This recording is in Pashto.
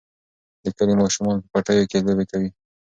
د کلي ماشومان په پټیو کې لوبې کوي.